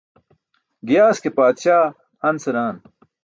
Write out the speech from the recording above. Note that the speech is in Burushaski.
Giyaas ke paatśaa han senaan.